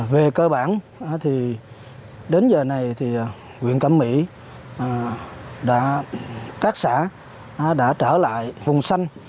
về cơ bản đến giờ này huyện cẩm mỹ các xã đã trở lại vùng xanh